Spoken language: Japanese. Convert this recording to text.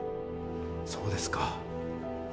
そうですか。